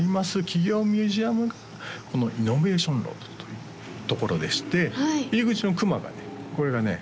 企業ミュージアムがこのイノベーションロードというところでして入り口の熊がねこれがね